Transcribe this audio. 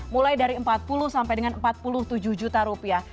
mulai dari empat puluh sampai dengan empat puluh tujuh juta rupiah